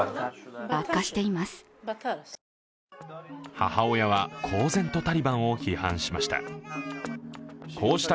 母親は公然とタリバンを批判しました。